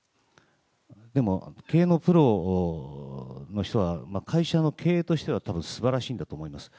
でも経営のプロの人は会社の経営としてはすばらしいんだと思います。